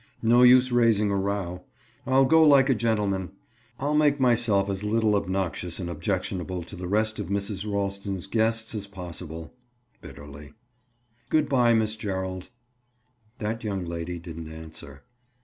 "No use raising a row! I'll go like a gentleman. I'll make myself as little obnoxious and objectionable to the rest of Mrs. Ralston's guests as possible." Bitterly. "Good by, Miss Gerald." That young lady didn't answer.